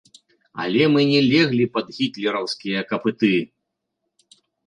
Але мы не леглі пад гітлераўскія капыты!